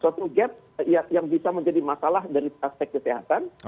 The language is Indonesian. suatu gap yang bisa menjadi masalah dari aspek kesehatan